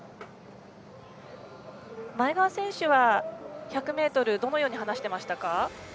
前川選手は１００ｍ、どのように話していましたか。